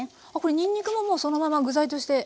にんにくももうそのまま具材として？